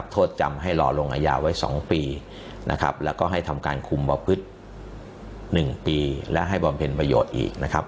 โทษจำให้รอลงอาญาไว้๒ปีแล้วก็ให้ทำการคุมบ่อพฤษ๑ปีและให้บอมเพลย์ประโยชน์อีก